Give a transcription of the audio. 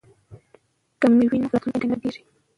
که مینه وي نو راتلونکی نه بندیږي.